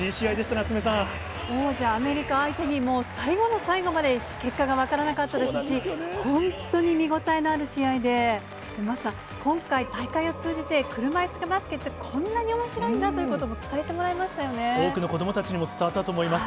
王者アメリカ相手に、最後の最後まで、結果が分からなかったですし、本当に見応えのある試合で、桝さん、今回、大会を通じて、車いすバスケってこんなにおもしろいんだということを伝えてもら多くの子どもたちにも伝わったと思います。